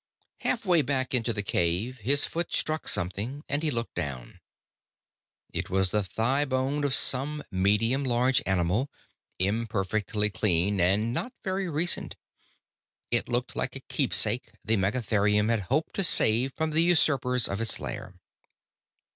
Halfway back into the cave, his foot struck something and he looked down. It was the thigh bone of some medium large animal, imperfectly cleaned and not very recent. It looked like a keepsake the megatherium had hoped to save from the usurpers of its lair.